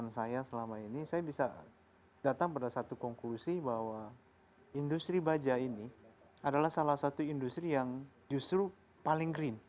pengalaman saya selama ini saya bisa datang pada satu konklusi bahwa industri baja ini adalah salah satu industri yang justru paling green